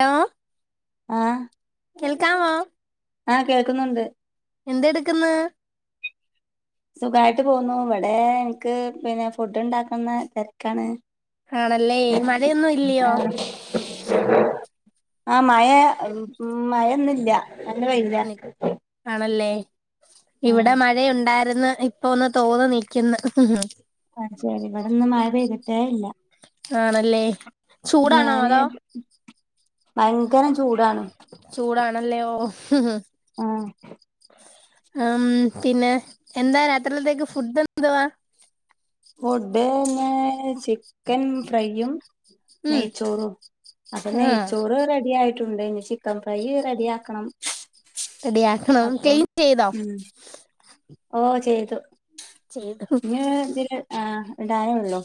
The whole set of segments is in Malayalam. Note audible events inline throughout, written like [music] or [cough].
ലോ കേൾക്കാവോ ആ കേൾക്കുന്നുണ്ട്. എന്തെട്ക്ക്ന്ന് സുഖായിട്ട് പോവുന്നു ഇവിടെ ഇന്ക്ക് പിന്നെ ഫുഡ് ഉണ്ടാക്കുന്ന തെര്ക്കാണ് ആണല്ലേ മഴയൊന്നു ഇല്ലിയോ ആ മഴ മഴ ഇന്നില്ല നല്ല വെയിലാ നി- ആണല്ലേ ഇവിടെ മഴയുണ്ടാ ഇന്ന് ഇപ്പൊ ഒന്ന് തോന്ന് നിക്കിന്ന് അത് ശരി ഇവട്ന്ന് മഴ പെയ്തിട്ടേല്ല ആണല്ലേ ചൂടാണോ ഞാന് അതോ ഭയങ്കരം ചൂടാണ് ചൂടാണല്ലേ ഓ ആ ഉം പിന്നെ എന്താ രാത്രിലത്തേക്ക് ഫുഡ് എന്തുവാ? ഫുഡ് ഇന്ന് ചിക്കൻ ഫ്രൈയും ഉം നെയ്ച്ചോറും അപ്പം ആ നെയ്ച്ചോറ് റെഡിയായി ട്ടുണ്ട് ഇനി ചിക്കൻ ഫ്രൈ റെഡിയാക്കണം റെഡി ആക്കണം ക്ളീൻ ചെയ്തോ? ഉം ഓ ചെയ്തു ചെയ്തു ഇഞ്ഞ് ഇതില് ആ ഇടാനെള്ളു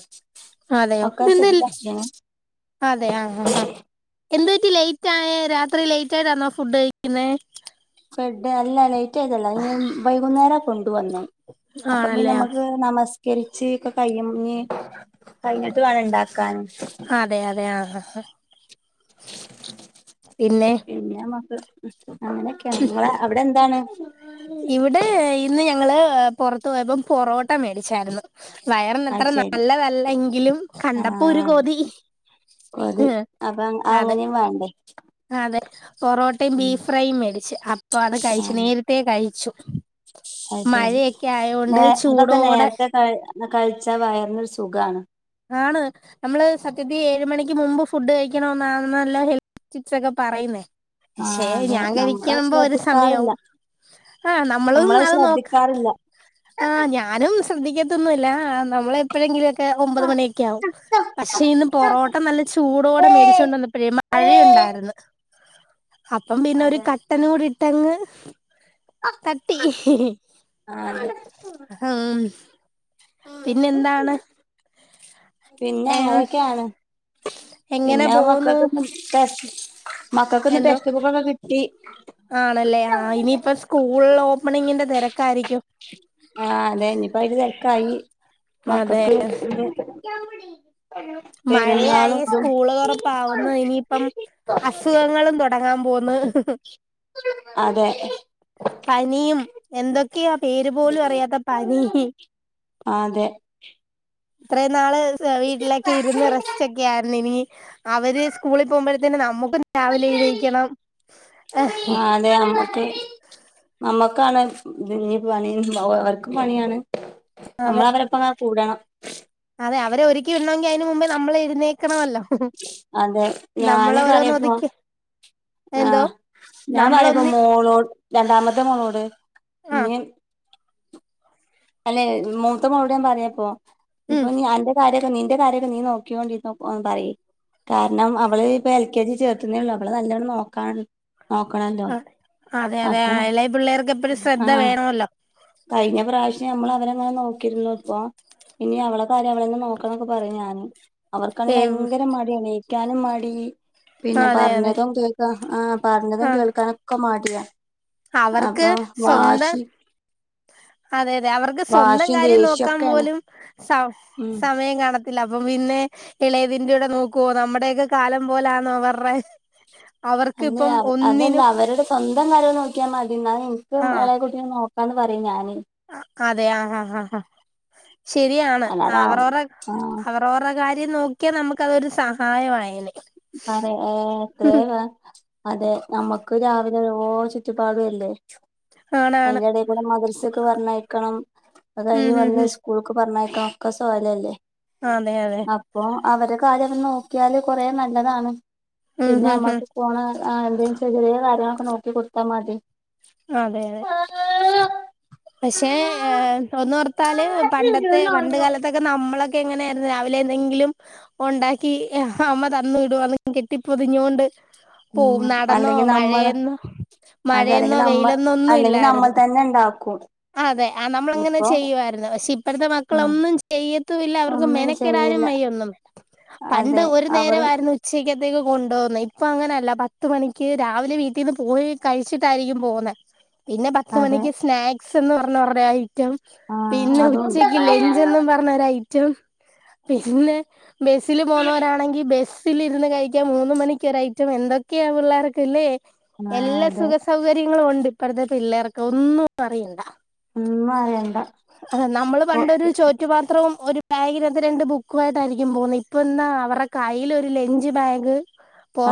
അതെയോ [unintelligible] അതെ ആ ആ ആ എന്ത് പറ്റി ലൈറ്റായേ രാത്രി ലൈറ്റായിട്ടാന്നോ ഫുഡ് കഴിക്കിന്നേ? [unintelligible] അല്ല ലൈറ്റായതല്ല ഉം വൈകുന്നേരാ കൊണ്ടു വന്നേ അപ്പം പിന്ന ആണല്ലേ ആ. മ്മക്ക് നമസ് കെഴിച്ച് ഒക്കെ കയിഞ്ഞ് കഴിഞ്ഞിട്ട് വാണം ഇണ്ടാക്കാൻ അതെ അതെ ആ ആ [unintelligible] പിന്നെമ്മക്ക് [unintelligible] ഹ് ഇവിടെ ഇന്ന് ഞങ്ങള് പൊറത്ത് പോയപ്പം പൊറോട്ട മേടി ച്ചായിരുന്നു. അത് വയറ്ന്നത്ര ശരി നല്ലതല്ലെങ്കിലും കണ്ടപ്പോ ഒരു ആഹ് കൊതി ഒരു ഏ അപ്പൊ അതെ അങ്ങനെയും വേണ്ടേ അതെ പൊറോട്ടയും ഉം ബീഫ് ഫ്രൈയും മേടിച്ച് അപ്പൊ അത് കഴിച്ച് നേരത്തേ ക കഴിച്ചു അയ് ശരി മഴയൊക്കെ നേ ആയോണ്ട് അതൊക്കെ ചൂടോടെ നേരത്തെ ക എന്നാ കഴിച്ചാ വയറിന്നരു സുഖമാണ് ആണ് നമ്മള് സത്യത്തിൽ ഏഴ് മണിക്ക് മുമ്പ് ഫുഡ് കഴിക്കണോനെന്നാണല്ലോ ഹെൽത്ത് ടിപ്സ് ഒക്കെ പറയുന്നേ പക്ഷെ ആഹ് അതെ ഞാൻ നമ്മളത് കഴിക്കമ്പോ ഒരു ശ്രദ്ധിക്കാറില്ല സമയാവും ആഹ് നമ്മളോന്നും നമ്മളത് അത് നോക്കാറില്ല ശ്രദ്ധിക്കാറില്ല ആഹ് ഞാനും ശ്രദ്ധിക്കാത്തൊന്നുമല്ല നമ്മളെപ്പോഴെങ്കിലും ഒക്കെ ഒമ്പത് മണിയൊക്കെ ആകും പക്ഷേ ഇന്ന് പൊറോട്ട നല്ല ചൂടോടെ മേടിച്ചൊണ്ടന്ന പ്പഴേ മഴയുണ്ടാരിന്ന്. അപ്പം പിന്നെ ഒരു അതെ കട്ടനൂടി ട്ടങ്ങ് തട്ടി. ഹ് ഹ് ആഹ്. ഹ്മ്. പിന്നെന്താണ്? പിന്നെ ഏഹ് അങ്ങനെയൊക്കെയാണ് എങ്ങനെ പിന്നെ പോവുന്നു മക്കൾക്ക മക്കക്കിന്ന് എന്തോ ടെസ്റ്റ്‌ ബുക്കൊക്കെ കി ഇ ആണല്ലേ ആ ഇനിയിപ്പ സ്കൂൾ ഓപ്പണിങ്ങിന്റെ തിരക്കായിരിക്കും ആ അതെ ഇനിയിപ്പോ അതില് തിരക്കായി അതെ മക്കൾക്ക് അതെ. [unintelligible] പെരുന്നാളും മഴയായി ഇതും സ്കൂള് തുറപ്പാവുന്നു ഇനിയിപ്പം അസുഖങ്ങളും തുടങ്ങാൻ പോന്ന് അതെ പനിയും എന്തൊക്കെയാ പേര് പോലും അറിയാത്ത പനി അതെ ഇത്രയും നാള് വീട്ടിലൊക്കെ ഇരുന്ന് റെസ്റ്റ് ഒക്കെ ആയിരുന്നു ഇനി അവര് സ്കൂളിൽ പോകുമ്പോഴത്തേന് നമ്മുക്കും രാവിലെ എണീക്കണം നമ്മക് ക്കാണ് ഇത് ഇനി പനി ഉണ്ടാവ അവർക്കു പണിയാണ് അതെ നമ്മളവരപ്പ കൂടണം അതെ അവരെ ഒരുക്കി വിടണമെങ്കി അതിന് മുമ്പേ നമ്മൾ ഇരുന്നേ അതെ നമ്മള് ഞാന് ഓരോന്ന് പറയപ്പോ ഒതുക്കി എന്തോ ആഹ് ഞാൻ പറയപ്പോ നമ്മളൊന്നി മോളോട് രണ്ടാമത്തെ മോളോട് ആഹ് ഇ അല്ലെ മൂത്തമോളോട് പറയാപ്പൊ ഉം ഇപ്പൊ ഞാന്റെ കാര്യ നീന്റെ കാര്യൊക്കെ നീ നോക്കിണ്ടിരിനോ പറയ് കാരണം അവള് ഇപ്പൊ എൽ കെ ജി ചേർത്തുന്നേള്ളൂ അവള് നല്ലോണം നോക്കാൻ നോക്കണല്ലോ ആഹ് അതെ അതെ അപ്പൊ ഇളയ പിള്ളേർക്ക് എപ്പയും ശ്രദ്ധ ആഹ് വേണല്ലോ കഴിഞ്ഞ പ്രാവശ്യം നമ്മൾ അവരെങ്ങനെ നോക്കിരുന്നു ഇപ്പൊ ഇനി അവളെ കാര്യങ്ങൾ നോക്കണൊക്കെ പറയും ഞാന് അവർക്കാണെ ഏ ഭയങ്കര മടിയാണ് [unintelligible] പിന്നെ അതെ അതെ പറഞ്ഞതും കേൾക്കാൻ ആഹ് പറഞ്ഞതും ആഹ് കേൾക്കാനൊക്കെ മടിയാ അവർക്ക് അപ്പൊ സ്വന്തം വാശി അതെ അതെ അവർക്ക് സ്വന്തം വാശിയും കാര്യം നോക്കാൻ ദേഷ്യൊക്കെയാണ് പോലും സ ഉം സമയം കാണ ത്തില്ല അപ്പം പിന്നെ ഇളയതിന്റെ ഉടെ നോക്കുവോ നമ്മുടെയൊക്കെ കാലം പോലാന്നോ അവർടെ അല്ലെ അതല്ല അവരുടെ സ്വന്തം കാര്യം നൊ ക്കിയ മതീ ന്നാ എനിക്കും ആഹ് ഇളയ കുഞ്ഞിനെ നോ നോക്കാന്ന് പറയും ഞാന് അതെ ആഹ് ആഹ് ആഹ് ശരിയാണ് അല്ലാതെ അവറോർട ആഹ് അവറോർട കാര്യം നോക്കിയാൽ നമുക്ക് അതൊരു സഹായമായെനേ പറ ഏ എത്രയ അതെ നമ്മുക്ക് രാവിലെ ഇത് ഓരോ ചുറ്റുപാടും അല്ലേ ആണാണ് അതിന്റെടെക്കൂടെ മദ്രസ്ക്ക് പറഞ്ഞയ്ക്കണം അത് ഉം കഴിഞ്ഞ് ഉം വന്ന് ഉം സ്ക്കൂൾക്ക് പറഞ്ഞ ഒക്കെ സൊയലല്ലെ അതെ അതെ അപ്പൊ അവരെ കാര്യം ഒന്ന് നോക്കിയാല് കൊറേ നല്ലതാണ് ഉം പിന്നെ ഉം ഉം അമ്മക്ക് പോണ അ എന്തേലും ചെറിയ ചെറിയ കാര്യം നോക്കി കൊടുത്താ മതി അതെ അതെ പക്ഷേ, ഒന്നോർത്താല് പണ്ടത്തെ പണ്ടുകാലത്തൊക്കെ നമ്മള് എങ്ങനെയായിരുന്നു, രാവിലെ എന്തെങ്കിലും ഉണ്ടാക്കി, അമ്മതന്നു വിടും. അതൊക്കെ കെട്ടിപ്പൊതിഞ്ഞോണ്ട് ഉം.. പോവും നടന്നോ അല്ലെങ്കിൽ നമ്മള് മഴയെന്നോ മഴയെന്നോ അതല്ലെങ്കിൽ നമ്മ അല്ലെങ്കിൽ നമ്മൾ തന്നെ ഉണ്ടാക്കും ആ.. അതെ ആ.. നമ്മൾ അങ്ങനെ ഇപ്പൊ ചെയ്യുമായിരുന്നു. പക്ഷേ ഉം, ഇപ്പളത്തെമക്കളൊന്നും ചെയ്യത്തുമില്ല, അവർക്ക് ഒന്നും ചെയ്യില്ല മെനക്കിടാനുംവയ്യ ഒന്നും പണ്ട് അതെ അവര് ഒരുനേരമായിരുന്നു ഉച്ചക്കത്തേക്ക് കൊണ്ടു പോകുന്നേ. ഇപ്പമങ്ങനെയല്ല. പത്ത് മണിക്ക് രാവിലെ വീട്ടീന്ന് പോയി കഴിച്ചിട്ടായിരിക്കും പോന്നെ പിന്നെ അതെ പത്തുമണിക്ക് സ്നാക് സെന്ന് പറഞ്ഞവരുടെ ബാഗി റ്റം, ആ പിന്നെ അതുണ്ട് ഉച്ചക്ക് ലഞ്ചെന്നും പറഞ്ഞൊരൈറ്റം റ്റം. പിന്നെബസ്സില്‌പോ ന്നോരാണെങ്കിൽ ബസ്സിലിരുന്ന് കഴിക്കാൻ മൂന്ന മണിക്കൊരൈറ്റം എന്തൊക്കെയാ പിള്ളേർക്ക്ല്ലേ ആ അതെ എല്ലാസുഖസൗഹര്യങ്ങ നമ്മള്പണ്ട് ഇപ്പളത്തെ പിള്ളേർക്കൊന്നും പറയണ്ട ഒന്നും അറിയണ്ട അത്‌ കൊ നമ്മൾപണ്ടൊരു ചോറ്റുപാത്രവും, ഒരു ബാഗിനകത്ത് രണ്ട് ബുക്കുമായിട്ടായിരിക്കും പോകുന്നത്. ഇപ്പ എന്താ അവരുടെ കയ്യിൽ ഒരു ലെഞ്ച് ബാഗ്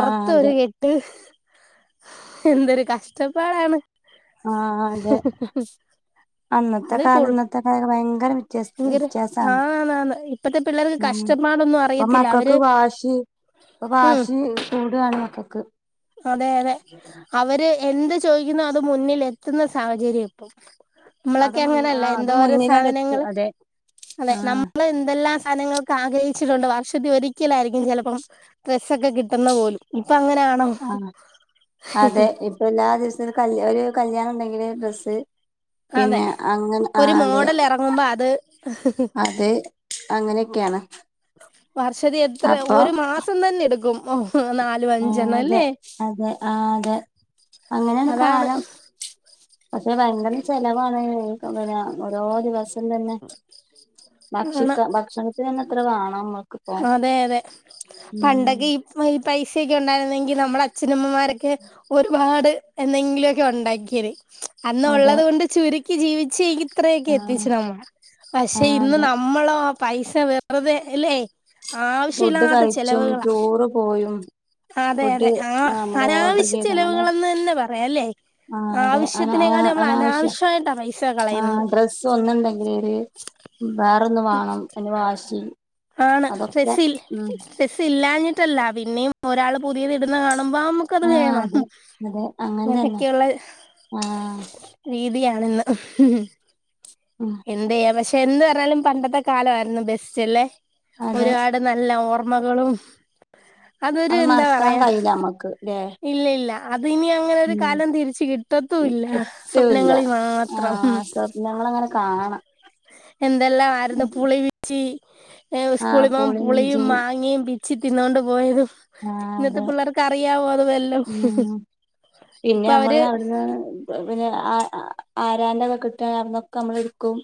ആഹ് അതെ ഒരുഎട്ട് എന്തൊരു കഷ്ടപ്പാടാണ്. അ.. ആ.. അതെ അന്നത്തെകാലം അതിപ്പോൾ ഇന്നത്തെകാലം ഭയങ്കര വ്യത്യ.. ഭയങ്കര വ്യത്യാസമാണ്. ആന്നാന്ന് ഇപ്പത്തെ പിള്ളേർക്ക് ഉം.. കഷ്ടപ്പാടൊന്നും അറിയത്തില്ല അവര് ഇപ്പൊ വാശി ഇപ്പൊ ഉം വാശി കൂടുവാണ് മക്കൾക്ക്. എന്ത്സ് ചോദിക്കുന്നു അത് മുന്നില് എത്തുന്ന ഒരു സാഹചര്യം. പ്പേ അത് നമ്മളൊക്കെ മുൻ അങ്ങനെയല്ല ആഹ് അത് എന്തോര മുന്നിലണ്ട് സാധനങ്ങള് എത്തും അതെ അതെ ആഹ് നമ്മളെന്തെല്ലാംസാ അനങ്ങൾക്ക് ആഗ്രഹിച്ചിട്ടുണ്ട്. വർഷത്തിൽ ഒരിക്കലായിരിക്കും ചിലപ്പം ഡ്രസ്സൊക്കെ കിട്ടുന്ന പോലും, ഉം.. ആ.. അ.. അ.. അതെ ഇപ്പൊ എല്ലാ ദിവസവും കല്ലു ഒരു കല്യാണമുണ്ടെങ്കില്, ഡ്രസ്സ് അതെ പിന്നെ അങ്ങ്.. ആ.. ഒരു അതെ, മോഡൽ ഇറങ്ങുമ്പോ അത് അതെ അങ്ങനെയൊക്കെയാണ് വർഷത്തിലെത്ര ഒരു മാസം തന്നെ എടുക്കും. ഓ നാലും ഉം... അഞ്ചെണ്ണം അല്ലേ അതെയതെ ആ.. അതെ അങ്ങനെയാണ് അതാണ് കാലം. പക്ഷേ ഭയങ്കര ചെലവാണ്. അങ്ങനെയോരോ ദിവസം അതന്നെ ഭക്ഷിക്ക ആണ് ഭക്ഷണത്തിനൊന്നിത്ര വാ നമ്മൾ അതെ അതെ പണ്ടൊക്കെ ഇ [inaudible] പൈസ അന്ന് അതെ ഉള്ളതുകൊണ്ട് ചുരു ജീവിച്ച അത്രയൊക്കെ ആ എത്തിച്ച നമ്മൾ പക്ഷെ ഇന്ന് അതെ നമ്മളോ പൈസ വെറുതെ ല്ലേ ഫുഡ് ആവശ്യമില്ലാത്ത കഴിച്ചും ചെലവുകളാ ടൂറ് പോയും അതെ ഫുഡ് അതെ ആ നമ്മള് ഓർഡർ അനാവശ്യ ചെയ്ത് അങ്ങനെ ചെലവുകെന്ന് തന്നെ പറയാംല്ലേ ആ അതെ അനാവശ്യ അനാവശ്യമായിട്ടാ പൈസ ആ കളയുന്നത് ഡ്രസ്സ് ഒന്ന് ണ്ടങ്കിലും വെ റൊന്ന് വേണം ഐന് വാശി ആണ് അതൊക്കെ ഫെസിൽ ഉം ഫെസിൽ ഇല്ലാഞ്ഞിട്ടല്ല പിന്നെ ഒരാൾ പുതിയ ഇടുന്നത് കാണു ണുമ്പോ നമുക്കത് ആ വേണം അതെ അതെ അങ്ങനെ തന്നെ അങ്ങനെയൊക്കെയുള്ള ആ രീതിയാണ്. [unintelligible] ഉം എന്തെയ്യാൻ [unintelligible] എന്ത് പറഞ്ഞാലും പണ്ടത്തെ കാലമായിരുന്നു ബെസ്റ്റ് അല്ലേ? അതെ ഒരുപാട് നല്ല ഓർ മകളും അതൊരു അത് എന്താ മറക്കാൻ പറയാ കഴിയില്ല നമ്മക്ക് ല്ലേ ഇല്ല ഇല്ല അതിനി അങ്ങനെ ഒരു ഉം കാലം തിരിച്ച് കിട്ടത്തുല്ല പറ്റൂല്ല സ്വപ്നങ്ങളിൽ ആ മാത്രം. സ്വപ്നങ്ങളങ്ങനെ കാണാം എന്തെല്ലാം ആയിരുന്നു പുളി പി ച്ചി ആ സ്കൂളിൽ പോകുമ്പം പുളിയും പുളിഞ്ചി മാങ്ങയും പിച്ചി തിന്നോണ്ട് പോയതും ആഹ് ഇന്നത്തെ അതെ പിള്ളേർക്ക് അറിയാവോ? അത് വല്ലോം ഉം പിന്നെ ഇപ്പൊ നമ്മള് അവര് അവിടുന്ന് പിന്നെ ആ ആ ആരാന്റെത് കിട്ട അതിന്നൊക്കെ നമ്മള് എടുക്കും.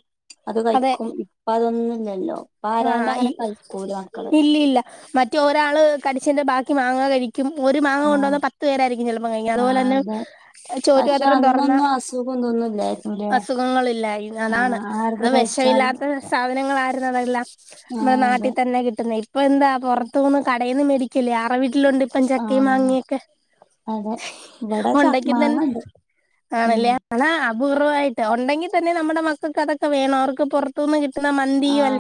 അത് കഴിക്കും ഇപ്പതൊന്ന് ഇല്ലല്ലോ ആ ഇല്ലില്ല മറ്റേ ഒരാള് കടിച്ചന്റെ ബാക്കി മാങ്ങ കഴി ഒരു മാങ്ങ കൊണ്ട വന്ന ആഹ് പത്തു പേരായിരിക്കും ചിലപ്പം കഴിക്കാ, അതുപോലെ ആഹ് തന്നെ അതെ പക്ഷെ ചോറ്റുപാത്രം തുറന്ന അന്നൊന്നും അസുഖം ഇതൊന്നും ഇല്ലായിരുന്നുല്ലേ അസുഖങ്ങളില്ലായി അതാണ് ആഹ് ആരത് അന്ന് കഴിച്ചാലും വിഷമില്ലാത്ത സാധനങ്ങളായിരുന്നതെല്ലാം. മ്മളെ ആഹ് അതെ നാട്ടിൽ തന്നെ കിട്ടുന്ന ഇപ്പൊ എന്താ പുറത്തുന്ന് ക കടയിന്ന് മേടിക്കല് [unintelligible] ട്ടിലുണ്ട് ഇപ്പ ചക്കയും ആഹ് മാങ്ങയൊക്കെ അതെ ഇവിടെ ചക്ക ഉണ്ടെങ്കി തന്നെ മാങ്ങണ്ട് ഉം ആണല്ലേ ആ അപൂർവാ ഉണ്ടങ്കിൽ തന്നെ നമ്മുടെ മക്കൾക്ക് അതൊക്കെ വേണോ അവർക്ക് പുറത്തുനിന്ന് കി ട്ടുന്ന മന്തിയോ അൽ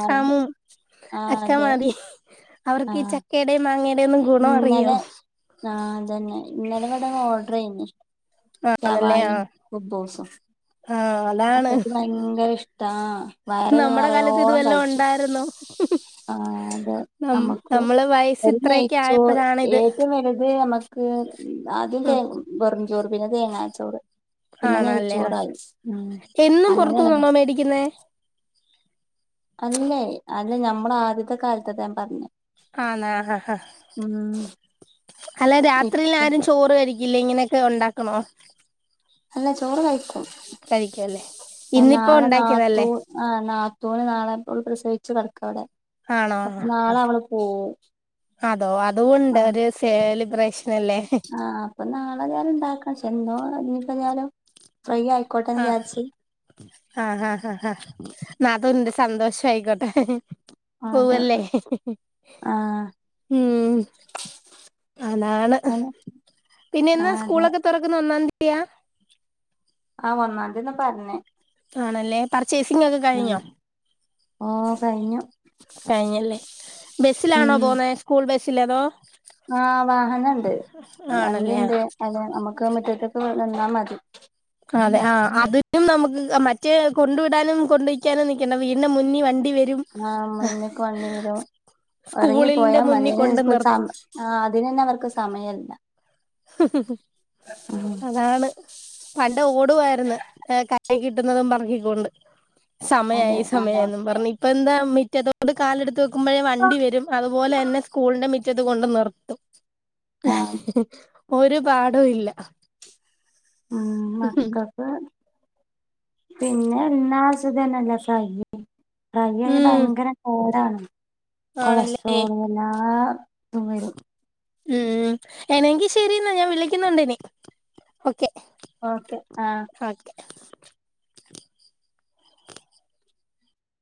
ആ അതെ. അവർക്ക് ഈ ആഹ് ചക്കയുടെയും മാ ങ്ങയും ഇന്നലെ ആ അതന്നെ ഇന്നലെ ഇവിട ഓർഡർ ചെയ്യുന്നു. ആണല്ലേ ആ ഷവായും കുബ്ബുസും ആ അതാണ് അതക്കെ ഭയങ്കര ഇഷ് ആ വയറ് നമ്മുടെ കാലത്ത് ഇത് നിറയോളം വല്ലോം കഴിച്ചു ഉണ്ടായിരുന്നോ ആ അത് നം നമുക്ക് നമ്മള് വയസ്സ് ഒരു നേ ഇത്രയൊക്കെ സോ ആയപ്പോഴാണ് ഇത് ഏറ്റവും വലുത് നമുക്ക് ആദ്യത്തെ ഉം ചോറ് പിന്നെ തേങ്ങ ചോറ് ആണല്ലേ എന്നും അങ്ങനെയാണല്ലേ പുറത്തുന്നണോ മേടിക്കുന്നേ അല്ലേ അല്ല ഞമ്മള ആദ്യത്തെ കാലത്ത് ഞാൻ പറഞ്ഞ ആന്ന് ആ ഹ് ഹ അല്ല രാത്രിയിൽ ഇപ്പ ആരും ചോറ് കഴി ഇല്ല ഇങ്ങനൊക്കെ ഒണ്ടാക്കണോ [unintelligible] ചോറ് കഴിക്കും ഇന്നിപ്പോ നാളെ നാത്തൂ ഉണ്ടാക്കിയതല്ലേ ആ നാത്തൂന് നാളെപ്പോ പ്രസവി [unintelligible] ആണോ ആ ആ അതോ അതൊണ്ട് ആ ഒരു സേല റൈസ് ആ അപ്പൊ നാളെ ഞാന് ഇണ്ടാക്കണം എന്തോ ഇപ്പ ഞാനും ആ ആ ഹ ഹ ഹാ നത്തൂന് സന്തോഷ ആയിക്കോട്ടെ ഹമ് ഹമ് അതെ പോവ്വല്ലേ ഹ് ആഹ് ഹ് ഹമ് അങ്ങനാണ് അന്നെ പിന്നൊ എന്നാ ആഹ് അതെ സ്കൂളൊക്കെ തുറക്കുന്ന ഒന്നാം തീ യാ ആ ഒന്നാതിന്ന പറഞ്ഞേ ആണല്ലേ പറ ചേസിങ് ഒക്കെ ആഹ് കഴിഞ്ഞോ ഓ കഴിഞ്ഞു കഴിഞ്ഞല്ലേ ബസ്സിലാണോ പോന്നേ സ്കൂൾ ബസ്സില് സ്സിലതോ ആ വാഹനംണ്ട് വണ്ടി ആണല്ലേ ഉണ്ട് അല്ല നമുക്ക് മുറ്റത്തേക്ക് നിന്നാൽ മതി [unintelligible] അതെ ആഹ് അതിനും നമുക്ക് മറ്റേ കൊണ്ടു വിടാനും കൊണ്ടയ്ക്കാനും നിക്കണ്ട വീടിന്റെ മുന്നിൽ വണ്ടി വരും ആഹ് മുന്നക്ക് വണ്ടി വരോ ഉറങ്ങി സ്കൂളിന്റെ പോയാ മുന്നിൽ കൊണ്ട് നിർത്തും [unintelligible] ആഹ് അതിനാന്നെ അവർക്ക് സമ്മയില്ല ഹമ് ഹമ് ഉം പണ്ട് ഓടുവായിരുന്ന് കൈ കിട്ടുന്നതും പറക്കിക്കൊണ്ട് അതെ സമയായി സമയായി അതാ അയിന്നും പറഞ്ഞ് ഇപ്പ എന്താമി മുറ്റതൊട്ട് കാലെടുത്ത് കുമ്പഴേ വണ്ടി വരും അതുപോലെ തന്നെ സ്കൂളിന്റെ മിറ മുറ്റത്ത് കൊണ്ട് നിർത്തും ഹ് ഹ ആഹ് ഹ ഹ ഒരു പാടും ഇല്ല ആ മക്കക്ക് പിന്നെ എന്നാ സുഗന്നല്ല സ കളിയായ ഉം ഭയങ്കര പാടാണ് [inaudible] ആണല്ലേ കൊളസ്ട്രോൾ എല്ലാം അതും വരും ഉം എനെങ്കിൽ ശരി എന്നാ ഞാൻ വിളിക്കുന്നുണ്ട് ഇനി ഓക്കെ ഓക്കെ ആ ഓക്കെ